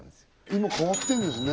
今変わってるんですね